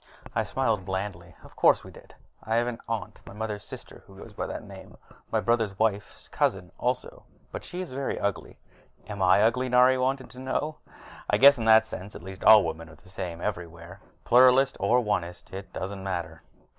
I smiled blandly. "Of course we did. I have an aunt, my mother's sister, who goes by that name. My brother's wife's cousin, also; but she is very ugly." "And am I ugly?" Nari wanted to know. I guess in that sense at least, women are the same everywhere Pluralist or Onist, it doesn't matter.